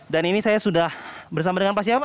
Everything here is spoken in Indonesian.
dan ini saya sudah bersama dengan pak siapa